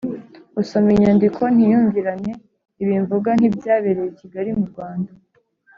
usoma iyi nyandiko ntiyumvirane! ibi mvuga ntibyabereye i kigali, mu rwanda.